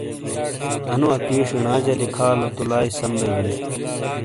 انو اکی ݜینا جا لکھا لو تو سام بئی بیلی ۔